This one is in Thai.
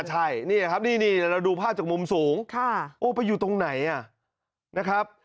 ใช่นี่ครับนี่เราดูภาพจากมุมสูงโอ้ไปอยู่ตรงไหนนะครับ